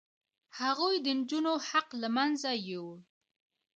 هغوی د نجونو حق له منځه یووړ.